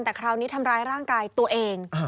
แต่คราวนี้ทำร้ายร่างกายตัวเอง